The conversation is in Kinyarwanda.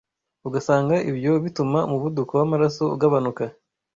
ugasanga ibyo bituma umuvuduko w’amaraso ugabanuka